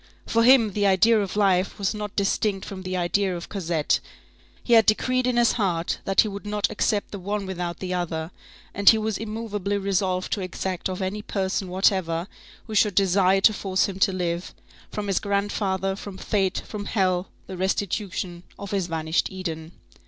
For him, the idea of life was not distinct from the idea of Cosette. He had decreed in his heart that he would not accept the one without the other, and he was immovably resolved to exact of any person whatever, who should desire to force him to live,—from his grandfather, from fate, from hell,—the restitution of his vanished Eden.